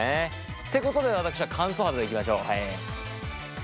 ってことで私は乾燥肌でいきましょう。